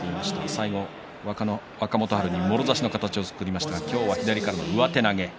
最後、若元春にもろ差しの形を作りましたが今日は左からの上手投げ